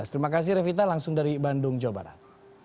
terima kasih revita langsung dari bandung jawa barat